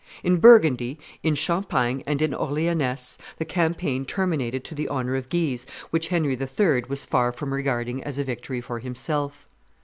In Burgundy, in Champagne, and in Orleanness, the campaign terminated to the honor of Guise, which Henry III. was far from regarding as a victory for himself.